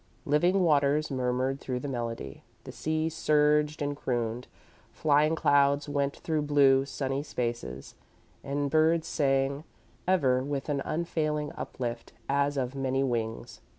Living waters murmured through the melody, the sea surged and crooned, flying clouds went through blue, sunny spaces, and birds sang, ever with an unfailing uplift, as of many wings.